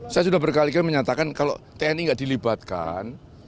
saya sudah berkali kali menyatakan kalau tni nggak dilibatkan